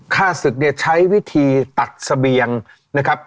ฆ่าศึกเนี่ยใช้วิธีตัดเสบียงนะครับ